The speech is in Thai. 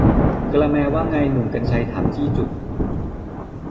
กาละแมร์ ว่าไง หนุ่ม กรรชัย ถามจี้จุด